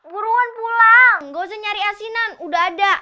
buruan pulang gak usah nyari asinan udah ada